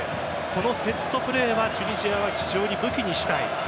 このセットプレーはチュニジアは非常に武器にしたい。